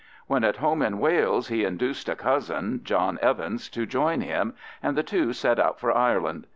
When at home in Wales he induced a cousin, John Evans, to join him, and the two set out for Ireland.